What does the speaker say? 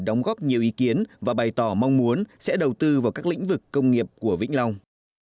đóng góp nhiều ý kiến và bày tỏ mong muốn sẽ đầu tư vào các lĩnh vực công nghiệp của vĩnh long